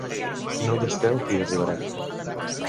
No dubteu que hi arribarem.